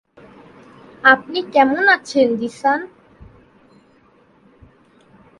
সামরিক সরকারের মতে, মিয়ানমারের নতুন সংবিধান একটি "শৃঙ্খলা-উন্নতিশীল গণতন্ত্র" সৃষ্টি নিশ্চিত করবে।